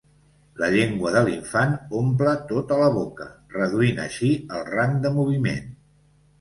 La llengua de l'infant omple tota la boca, reduint així el rang de moviment.